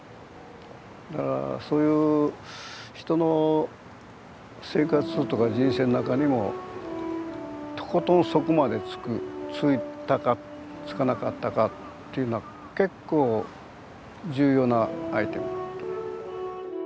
だからそういう人の生活とか人生の中にもとことん底までつくついたかつかなかったかっていうのは結構重要なアイテム。